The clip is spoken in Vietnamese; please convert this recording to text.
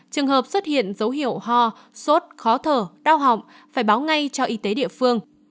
trường hợp xuất hiện dấu hiệu ho sốt khó thở đau họng phải báo ngay cho y tế địa phương